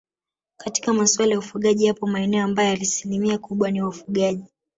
Katika maswala ya ufugaji yapo maeneo ambayo asilimia kubwa ni wafugaji